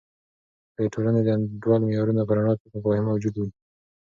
که د ټولنې د انډول د معیارونو په رڼا کې مفاهیم موجود وي.